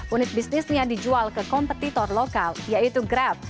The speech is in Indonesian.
unit bisnisnya dijual ke kompetitor lokal yaitu grab